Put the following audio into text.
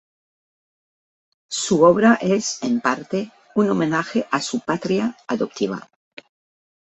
Su obra es, en parte, un homenaje a su patria adoptiva.